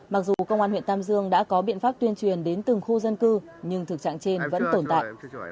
mặc dù công an huyện tam dương đã có biện pháp tuyên truyền đến từng khu dân cư nhưng thực trạng trên vẫn tồn tại